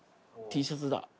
Ｔシャツだ。